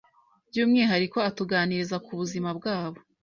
by’umwihariko atuganiriza ku buzima bwabo